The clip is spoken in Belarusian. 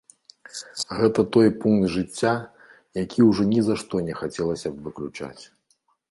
Гэта той пункт жыцця, які ўжо ні за што не хацелася б выключаць.